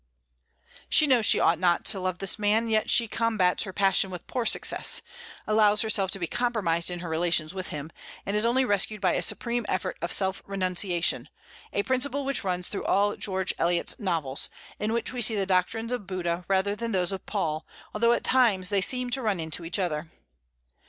She knows she ought not to love this man, yet she combats her passion with poor success, allows herself to be compromised in her relations with him, and is only rescued by a supreme effort of self renunciation, a principle which runs through all George Eliot's novels, in which we see the doctrines of Buddha rather than those of Paul, although at times they seem to run into each other.